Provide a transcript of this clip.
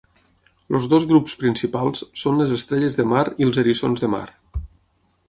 Els dos grups principals són les estrelles de mar i els eriçons de mar.